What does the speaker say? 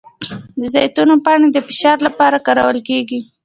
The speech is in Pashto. د زیتون پاڼې د فشار لپاره کارول کیږي؟